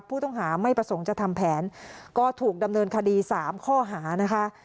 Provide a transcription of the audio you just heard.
ผู้ต้องหาไม่ประสงค์จะทำแผนก็ถูกดำเนินคดี๓ข้อหานะคะ